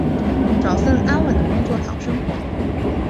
找份安稳的工作讨生活